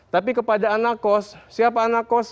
tapi kepada anak kos siapa anak kos